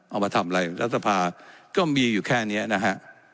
เอามาทำอะไรรัฐสภาก็มีอยู่แค่นี้นะฮะ